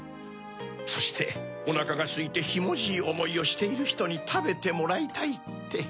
そしておなかがすいてひもじいおもいをしているひとにたべてもらいたいって。